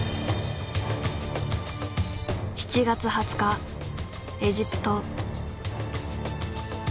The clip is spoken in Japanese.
７月２０日エジプト。